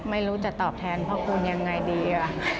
ไม่รู้จะตอบแทนพระคุณยังไงดี